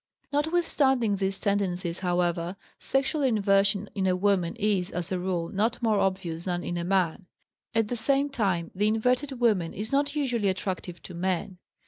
Notwithstanding these tendencies, however, sexual inversion in a woman is, as a rule, not more obvious than in a man. At the same time, the inverted woman is not usually attractive to men.